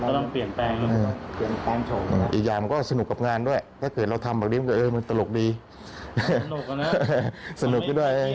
เราต้องเปลี่ยนแปลง